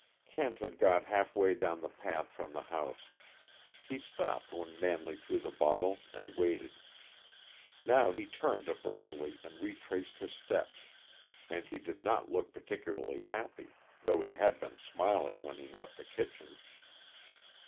Kent had got half way down the path from the house; he stopped when Manley threw the bottle, and waited. Now he turned abruptly and retraced his steps, and he did not look particularly happy, though he had been smiling when he left the kitchen.